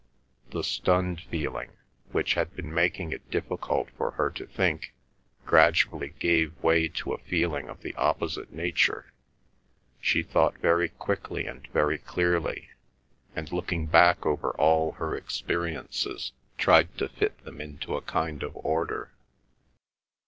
The stunned feeling, which had been making it difficult for her to think, gradually gave way to a feeling of the opposite nature; she thought very quickly and very clearly, and, looking back over all her experiences, tried to fit them into a kind of order.